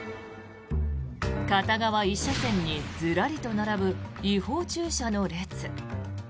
片側１車線にズラリと並ぶ違法駐車の列。